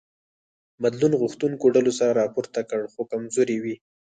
بدلون غوښتونکو ډلو سر راپورته کړ خو کمزوري وې.